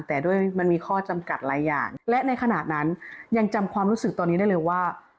แต่ด้วยมันมีข้อจำกัดหลายอย่างและในขณะนั้นยังจำความรู้สึกตอนนี้ได้เลยว่า